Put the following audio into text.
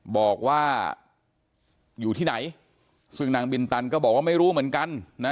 บอกว่าอยู่ที่ไหนซึ่งนางบินตันก็บอกว่าไม่รู้เหมือนกันนะ